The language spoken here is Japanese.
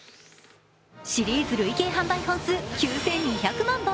シリーズ累計販売本数９２００万本。